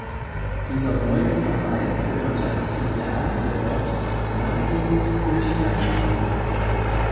Dieser neuen Pfarrei gehörte als Filiale der Ort Margetshöchheim an.